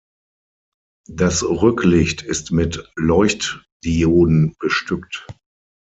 Das Rücklicht ist mit Leuchtdioden bestückt.